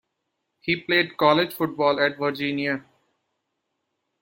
He played college football at Virginia.